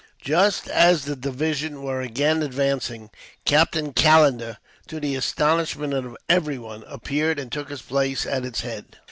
Just as the division were again advancing, Captain Callender, to the astonishment of everyone, appeared and took his place at its head.